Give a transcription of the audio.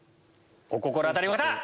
お心当たりの方！